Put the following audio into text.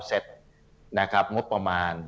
เสร็จนะครับงบประมาณ